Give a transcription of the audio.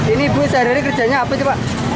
ini ibu sehari hari kerjanya apa sih pak